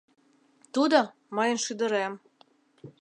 Тудо — мыйын шӱдырем!